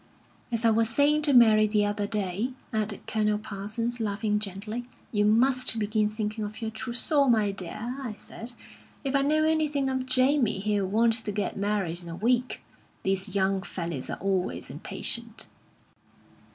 "As I was saying to Mary the other day," added Colonel Parsons, laughing gently, "'you must begin thinking of your trousseau, my dear,' I said, 'If I know anything of Jamie, he'll want to get married in a week. These young fellows are always impatient.'"